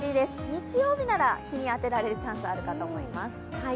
日曜日なら日に当てられるチャンス、あると思います。